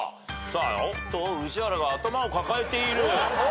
さあおっと宇治原が頭を抱えている。